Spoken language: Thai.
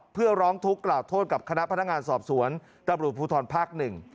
เพื่อร้องทุกข์กล่าวโทษกับคณะพนักงานสอบสวนตำรวจภูทรภาคหนึ่ง